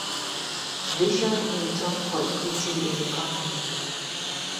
Vision, in return for equity in the company.